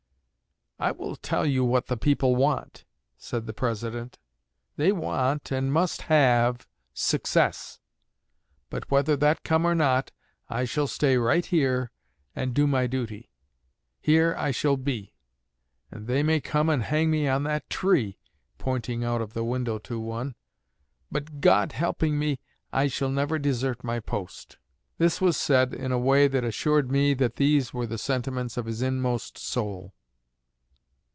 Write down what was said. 'I will tell you what the people want,' said the President, 'they want, and must have, success. But whether that come or not, I shall stay right here and do my duty. Here I shall be; and they may come and hang me on that tree' (pointing out of the window to one), 'but, God helping me, I shall never desert my post.' This was said in a way that assured me that these were the sentiments of his inmost soul."